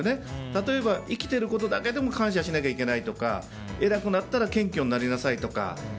例えば、生きていることだけでも感謝しなければいけないとか偉くなったら謙虚になりなさいとか。